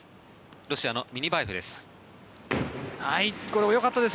ロシアのミニバエフです。